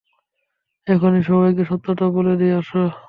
এখনি সবাইকে সত্যটা বলে দেই, আসো।